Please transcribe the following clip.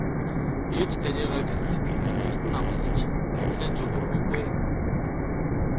Ээж таныгаа гэсэн сэтгэл минь эрдэнэ амласан ч Гималайн зүг урвахгүй ээ.